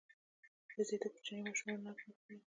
وزې د کوچنیو ماشومانو ناز خوښوي